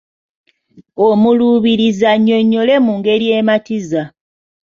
Omuluubirizi annyonnyole mu ngeri ematiza.